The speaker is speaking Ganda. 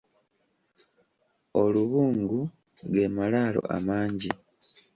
Olubungu ge malaalo amangi.